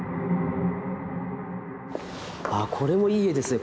あこれもいい絵ですね。